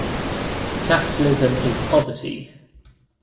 Capitalism is poverty.